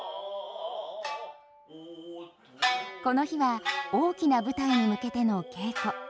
この日は大きな舞台に向けての稽古。